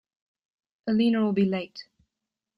Elena will be late.